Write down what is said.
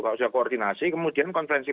kalau sudah koordinasi kemudian konferensi